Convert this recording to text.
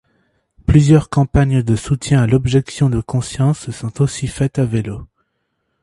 Plusieurs campagnes de soutien à l'objection de conscience se sont aussi faites à vélo.